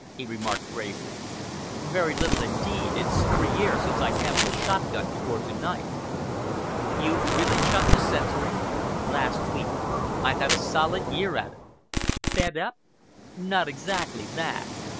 he remarked gravely. "Very little indeed. It's three years since I handled a shotgun before to night." "You've really chucked the censoring?" "Last week. I've had a solid year at it." "Fed up?" "Not exactly that.